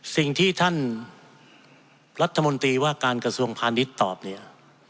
สิ่งที่ท่านรัฐมนตรีว่าการกระทรวงพาณิชย์ตอบเนี่ย